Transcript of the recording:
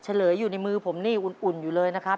เฉลยอยู่ในมือผมนี่อุ่นอยู่เลยนะครับ